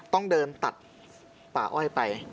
ต้องเดินตัดป่าอ้อยไป